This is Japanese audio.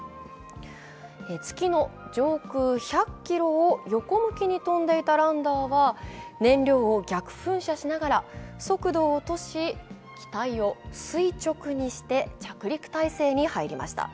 月の上空１００ｋｍを横向きに飛んでいた「ランダー」は燃料を逆噴射しながら速度を落とし、機体を垂直にして着陸態勢に入りました。